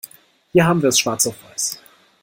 Hier haben wir es schwarz auf weiß.